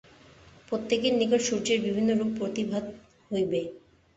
প্রত্যেকের নিকট সূর্যের বিভিন্ন রূপ প্রতিভাত হইবে।